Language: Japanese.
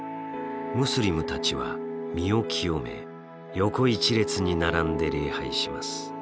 ムスリムたちは身を清め横一列に並んで礼拝します。